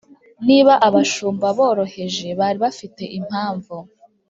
Niba abashumba boroheje bari bafite impamvu